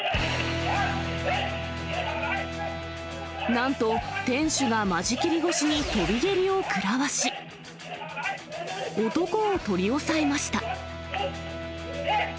なんと店主が間仕切り越しに跳び蹴りをくらわし、男を取り押さえました。